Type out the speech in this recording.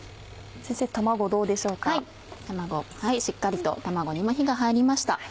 しっかりと卵にも火が入りました。